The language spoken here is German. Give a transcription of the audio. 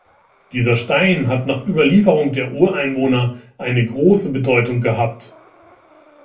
Dieser Stein hat nach Überlieferung der Ureinwohner eine große Bedeutung gehabt.